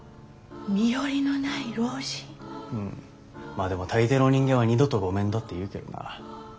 まあでも大抵の人間は二度とごめんだって言うけどな。